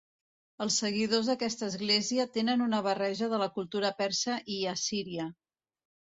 Els seguidors d'aquesta església tenen una barreja de la cultura persa i assíria.